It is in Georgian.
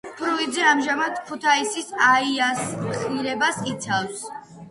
ფრუიძე ამჟამად ქუთაისის „აიას“ ღირსებას იცავს.